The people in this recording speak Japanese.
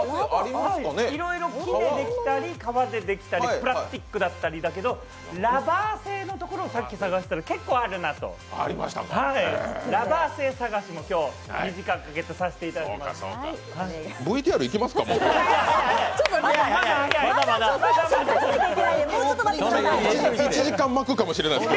いろいろ木でできたり皮でできたりプラスティックだったりだけどラバー製のところを探したら結構あるなと、ラバー製探しに、今日２時間、ゲットさせていただきたいと思います。